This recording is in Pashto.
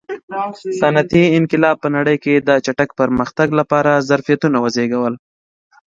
صنعتي انقلاب په نړۍ کې د چټک پرمختګ لپاره ظرفیتونه وزېږول.